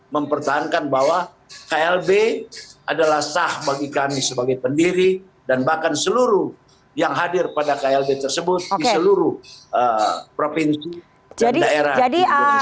mempertahankan bahwa klb adalah sah bagi kami sebagai pendiri dan bahkan seluruh yang hadir pada klb tersebut di seluruh provinsi dan daerah di indonesia